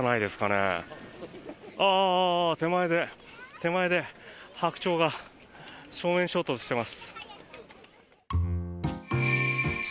手前でハクチョウが正面衝突しています。